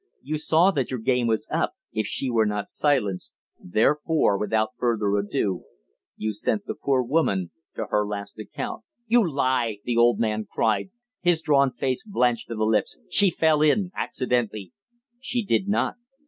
You saw that your game was up if she were not silenced; therefore, without further ado, you sent the poor woman to her last account." "You lie!" the old man cried, his drawn face blanched to the lips. "She fell in accidentally." "She did not.